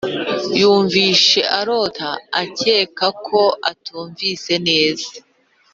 yumvishe arota akeka ko atumvise neza